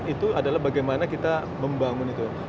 itu adalah bagaimana kita membangun itu